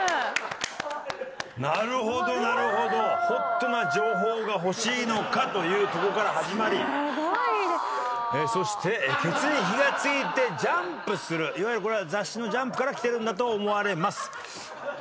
ホットな情報が欲しいのかというとこから始まりそしてケツに火が付いてジャンプするいわゆるこれは雑誌の『ジャンプ』からきてるんだと思われます。